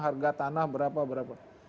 harga tanah berapa berapa